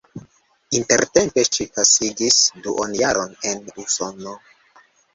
Intertempe ŝi pasigis duonjaron en Usono.